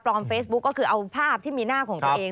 เฟซบุ๊คก็คือเอาภาพที่มีหน้าของตัวเอง